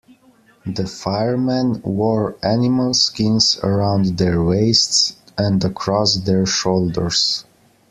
The Fire-Men wore animal skins around their waists and across their shoulders.